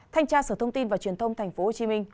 thanh tra sở thông tin và truyền thông tp hcm